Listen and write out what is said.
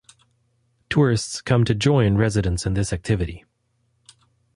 Tourists come to join residents in this activity.